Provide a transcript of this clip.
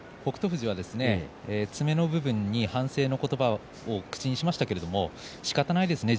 富士は詰めの部分に反省の言葉を口にしましたけどしかたがないですね